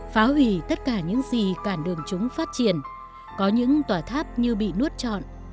phá hủy tất cả những gì cản đường chúng phát triển có những tòa tháp như bị nuốt chọn